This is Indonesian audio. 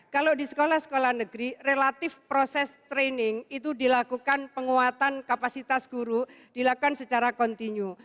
kalau di sekolah sekolah negeri relatif proses training itu dilakukan penguatan kapasitas guru dilakukan secara kontinu